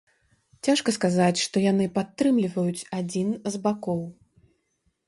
Цяжка сказаць, што яны падтрымліваюць адзін з бакоў.